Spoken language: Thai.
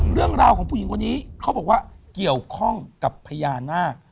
เรื่องราวของผู้หญิงคนนี้เขาบอกว่าเกี่ยวข้องกับพญานาค